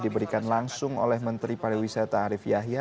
diberikan langsung oleh menteri pariwisata arief yahya